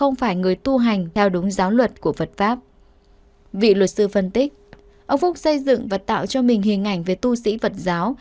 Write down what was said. ông phúc xây dựng và tạo cho mình hình ảnh về tu sĩ phật giáo